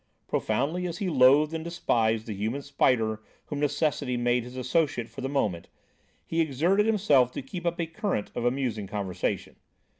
Profoundly as he loathed and despised the human spider whom necessity made his associate for the moment, he exerted himself to keep up a current of amusing conversation.